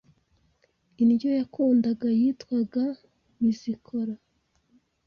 Indyo yakundaga yitwaga Bizikora